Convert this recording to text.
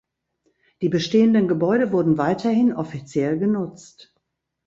Die bestehenden Gebäude wurden weiterhin offiziell genutzt.